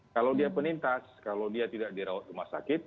kalau dia penintas kalau dia tidak dirawat rumah sakit